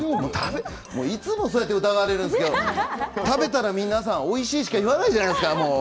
いつもそうやって疑われるんですけど、食べたら皆さん、おいしいしか言わないじゃないですか。